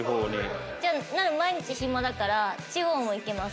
じゃあなら毎日暇だから地方も行けます。